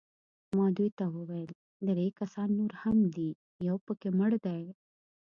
ما دوی ته وویل: درې کسان نور هم دي، یو پکښې مړ دی.